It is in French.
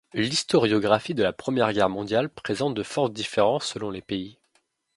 L'historiographie de la Première Guerre mondiale présente de fortes différences selon les pays.